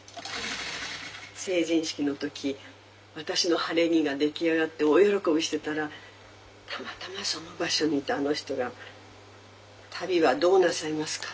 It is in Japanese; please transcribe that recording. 成人式の時私の晴れ着が出来上がって大喜びしてたらたまたまその場所にいたあの人が足袋はどうなさいますか？